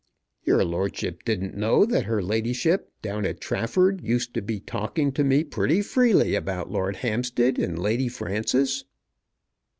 "Your lordship didn't know that her ladyship down at Trafford used to be talking to me pretty freely about Lord Hampstead and Lady Frances?"